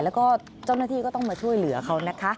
แล้วก็เจ้าหน้าที่ก็ต้องมาช่วยเหลือเขานะคะ